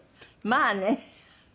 まあね。